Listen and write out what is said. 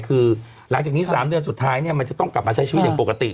คือหลังจากนี้๓เดือนสุดท้ายเนี่ยมันจะต้องกลับมาใช้ชีวิตอย่างปกติ